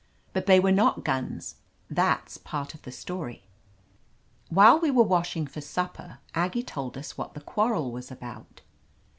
But they were not guns — ^that's part of the story. While we were washing for supper Aggie told us what the quarrel was about.